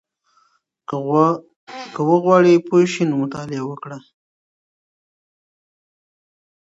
که غواړې پوه شې نو مطالعه وکړه.